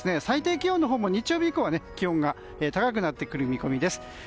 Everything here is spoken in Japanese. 最低気温のほうも日曜日以降は気温が高くなってくる見込みです。